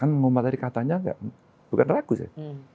kan ngomong tadi katanya enggak bukan ragu sih